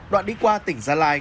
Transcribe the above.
đoạn đi qua tỉnh gia lai